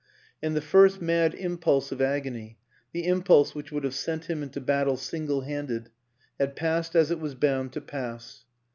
And the first mad im pulse of agony, the impulse which would have sent him into battle single handed, had passed as it was bound to pass.